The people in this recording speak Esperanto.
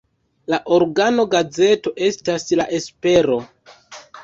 La organo-gazeto estas "La Espero".